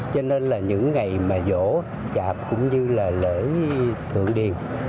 cho nên là những ngày mà vỗ chạp cũng như là lễ thượng điền